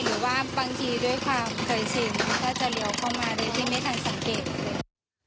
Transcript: หรือว่าบางทีด้วยความเคยชินก็จะเลี้ยวเข้ามาโดยที่ไม่ทันสังเกต